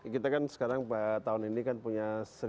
kita kan sekarang tahun ini punya satu lima ratus